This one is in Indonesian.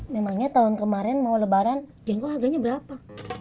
memangnya tahun kemarin mau lebaran jengkol harganya berapa